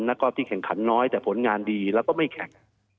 แล้วก็ที่แข่งขันน้อยแต่ผลงานดีแล้วก็ไม่แข่ง